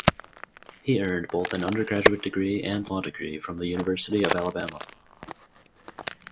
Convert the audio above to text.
He earned both an undergraduate degree and law degree from the University of Alabama.